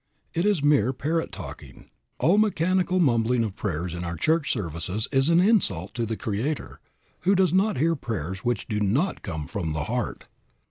It is mere parrot talking. All mechanical mumbling of prayers in our church services is an insult to the Creator, who does not hear prayers which do not come from the heart.